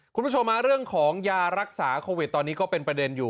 คุณผู้ชมเรื่องของยารักษาโควิดตอนนี้ก็เป็นประเด็นอยู่